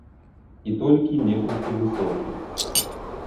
І толькі некалькі высокіх.